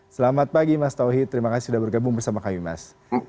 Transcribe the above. selamat pagi mas tauhid terima kasih sudah bergabung bersama kami mas